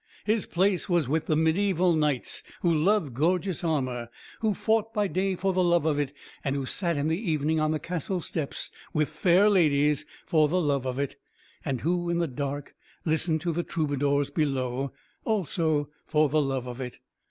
His place was with the medieval knights who loved gorgeous armor, who fought by day for the love of it and who sat in the evening on the castle steps with fair ladies for the love of it, and who in the dark listened to the troubadours below, also for the love of it.